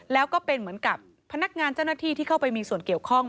แล้วก็เป็นเหมือนกับพนักงานเจ้าหน้าที่ที่เข้าไปมีส่วนเกี่ยวข้อง